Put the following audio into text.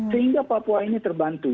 sehingga papua ini terbantu